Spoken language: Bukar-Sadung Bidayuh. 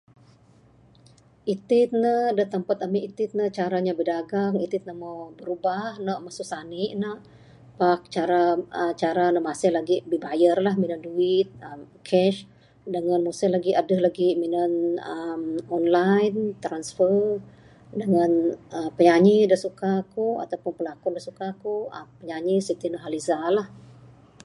Itin ne da tempat ami itin ne cara inya bidagang itin ne mbuh birubah ne masu sanik ne pak cara uhh cara masih lagik bibayar la minan duit cash dangan masih lagik adeh lagik minan uhh online transfer...dangan pinyanyi da suka ku ataupun pelakon da suka ku penyanyi siti nurhaliza la.